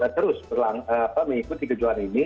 terus mengikuti kejuaraan ini